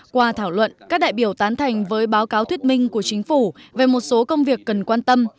qua thảo luận các đại biểu tán thành với báo cáo thuyết minh của chính phủ về một số công việc cần quan tâm